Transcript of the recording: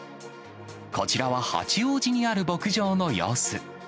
こちらは八王子にある牧場の様子。